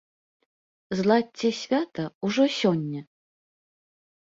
Зладзьце свята ўжо сёння!